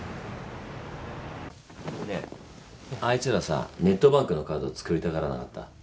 ねえあいつらさネットバンクのカード作りたがらなかった？